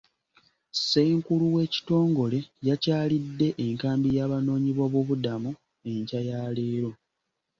Ssenkulu w'ekitongole yakyalidde enkambi y'Abanoonyi boobubudamu enkya ya leero.